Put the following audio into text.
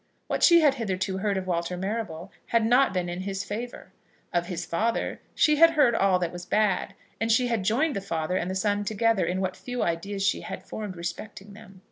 What she had hitherto heard of Walter Marrable had not been in his favour. Of his father she had heard all that was bad, and she had joined the father and the son together in what few ideas she had formed respecting them.